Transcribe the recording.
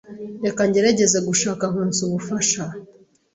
Reka ngerageze gushaka Nkusi ubufasha.